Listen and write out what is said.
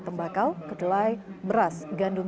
tembakau kedelai beras gandum